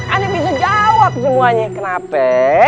anda bisa jawab semuanya kenapa